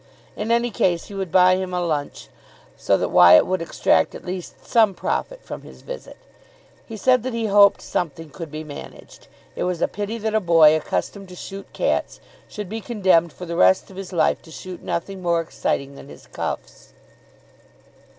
In any case he would buy him a lunch, so that Wyatt would extract at least some profit from his visit. He said that he hoped something could be managed. It was a pity that a boy accustomed to shoot cats should be condemned for the rest of his life to shoot nothing more exciting than his cuffs.